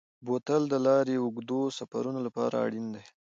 بوتل د لارې د اوږدو سفرونو لپاره اړین دی.